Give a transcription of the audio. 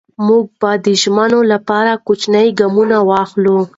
موږ به د ژمنو لپاره کوچني ګامونه واخلو.